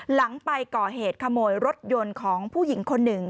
หลังไปก่อเหตุขโมยรถยนต์ของผู้หญิงคนหนึ่ง